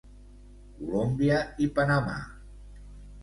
Colòmbia i Panamà.